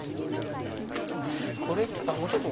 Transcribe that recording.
これもうちょっと。